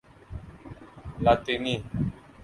لاطینی